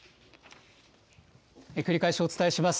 繰り返しお伝えします。